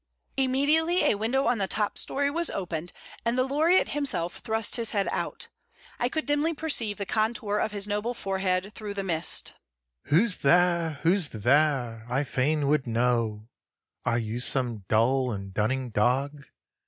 Immediately a window on the top story was opened, and the laureate himself thrust his head out. I could dimly perceive the contour of his noble forehead through the mist. "Who's there, who's there, I fain would know, Are you some dull and dunning dog?